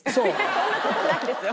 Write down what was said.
そんな事ないですよ。